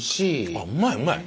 あっうまいうまい。